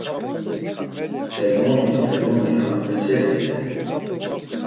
Termoni, termoni, a mimeseli ele …